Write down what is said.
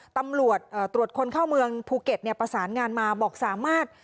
ตำรวจตรวจคนเข้าเมืองภูเก็ตประสานงานมาบอกสามารถ